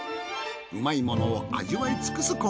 うまいものを味わいつくす